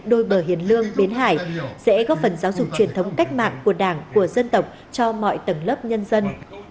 đôi bờ hiền lương bến hải sẽ góp phần giáo dục truyền thống cách mạng của đảng của dân tộc cho mọi tầng lớp nhân dân